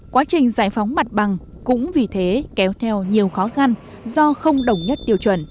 quá trình giải phóng mặt bằng cũng vì thế kéo theo nhiều khó khăn do không đồng nhất tiêu chuẩn